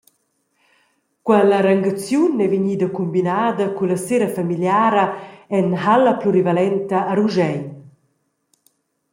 Quella rangaziun ei vegnida cumbinada culla sera familiara en halla plurivalenta a Ruschein.